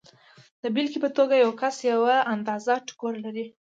د بېلګې په توګه یو کس یوه اندازه ټوکر لري